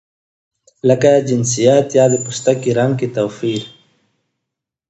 لکه جنسیت یا د پوستکي رنګ کې توپیر.